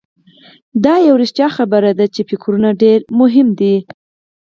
دا یوه رښتیا خبره ده چې افکار ډېر مهم دي.